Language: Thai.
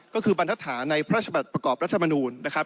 ก็คือบรรทัศน์ในพระราชบัตรประกอบรัฐมนูลนะครับ